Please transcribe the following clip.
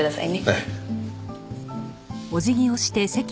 ええ。